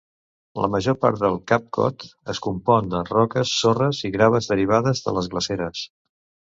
La major part del Cap Cod es compon de roques, sorres i graves derivades de les glaceres.